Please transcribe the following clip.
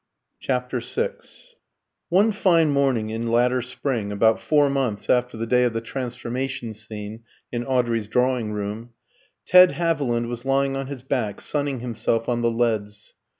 CHAPTER VI One fine morning in latter spring, about four months after the day of the transformation scene in Audrey's drawing room, Ted Haviland was lying on his back sunning himself on the leads.